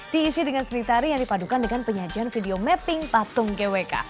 diisi dengan seni tari yang dipadukan dengan penyajian video mapping patung gwk